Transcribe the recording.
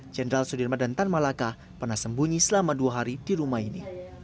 jenderal sudirman dan tan malaka pernah sembunyi selama dua hari di rumah ini